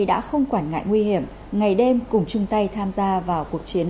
đã không quản ngại nguy hiểm ngày đêm cùng chung tay tham gia vào cuộc chiến